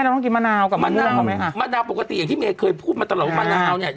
ต้องกินมะนาวกับมะนาวไหมคะมะนาวปกติอย่างที่เมย์เคยพูดมาตลอดว่ามะนาวเนี่ย